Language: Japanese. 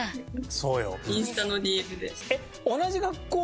そうよ。